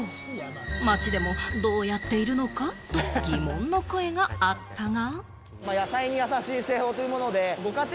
街でもどうやっているのか？と疑問の声があったが。